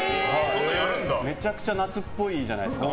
めちゃくちゃ夏っぽいじゃないですか。